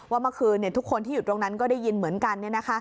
ว่าเมื่อคืนทุกคนที่อยู่ตรงนั้นก็ได้ยินเหมือนกัน